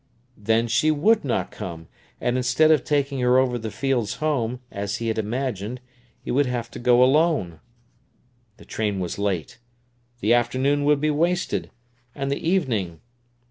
Then she would not come, and instead of taking her over the fields home, as he had imagined, he would have to go alone. The train was late; the afternoon would be wasted, and the evening.